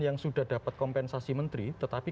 yang sudah dapat kompensasi menteri tetapi